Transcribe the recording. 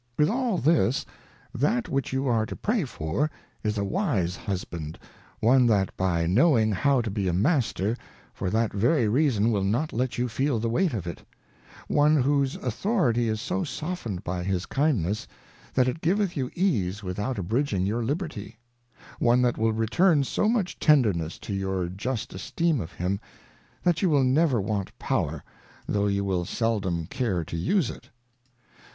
With all this, that which you are to pray for, is a Wise Husband, one that by knowing how to be a Master, for that very reason will not let you feel the weight of it ; one whose Authority is so soften 'd by his Kindness, that it giveth you ease without abridging your Liberty ; one that will return so much tenderness for your Just Esteem of him, that you will never want power, though you will seldom care to use it.